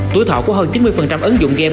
tuổi thọ của hơn chín mươi ứng dụng game